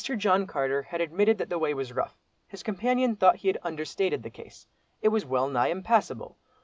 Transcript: John Carter had admitted that the way was rough. His companion thought he had understated the case. It was well nigh impassable.